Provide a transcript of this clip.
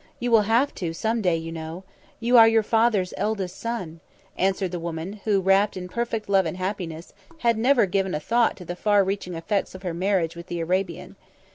You will have to, some day, you know. You are your father's eldest son," answered the woman, who, wrapped in perfect love and happiness, had never given a thought to the far reaching effects of her marriage with the Arabian.